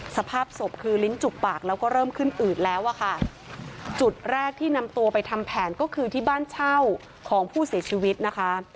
สภาพศพคือลิ้นจุกปากแล้วก็เริ่มขึ้นอืดแล้วอะค่ะจุดแรกที่นำตัวไปทำแผนก็คือที่บ้านเช่าของผู้เสียชีวิตนะคะ